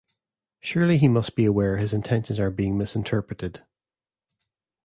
Surely he must be aware his intentions are being misinterpreted.